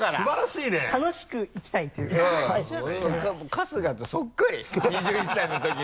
春日とそっくり２１歳のときの。